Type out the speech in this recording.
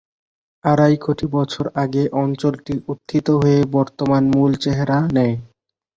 আড়াই কোটি বছর আগে অঞ্চলটি উত্থিত হয়ে বর্তমান মূল চেহারা নেয়।